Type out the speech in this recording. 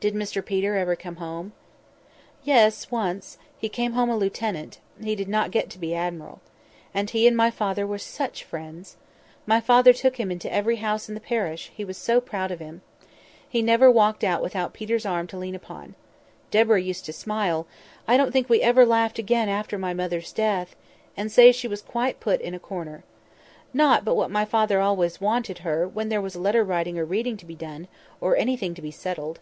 "Did Mr Peter ever come home?" "Yes, once. He came home a lieutenant; he did not get to be admiral. And he and my father were such friends! My father took him into every house in the parish, he was so proud of him. He never walked out without Peter's arm to lean upon. Deborah used to smile (I don't think we ever laughed again after my mother's death), and say she was quite put in a corner. Not but what my father always wanted her when there was letter writing or reading to be done, or anything to be settled."